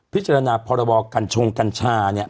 พิจารณาพรบกัญชงกัญชาเนี่ย